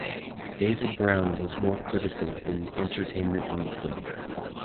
David Browne was more critical in "Entertainment Weekly".